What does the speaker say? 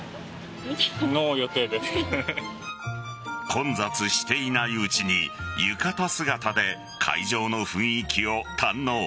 混雑していないうちに浴衣姿で会場の雰囲気を堪能。